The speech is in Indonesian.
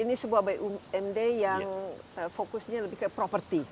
ini sebuah bumd yang fokusnya lebih ke properti